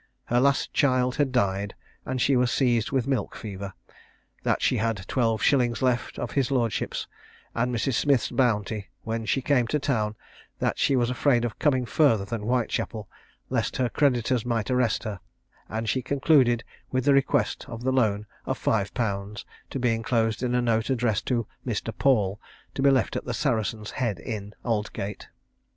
Her last child had died, and she was seized with a milk fever; that she had twelve shillings left of his lordship's, and Mrs. Smith's bounty, when she came to town; that she was afraid of coming further than Whitechapel, lest her creditors might arrest her; and she concluded with the request of the loan of five pounds, to be inclosed in a note addressed to Mr. Paul, to be left at the Saracen's Head Inn, Aldgate.